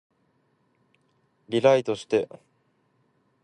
リライトして